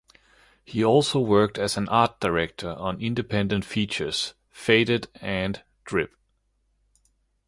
He also worked as an Art Director on the independent features, "Faded" and "Drip".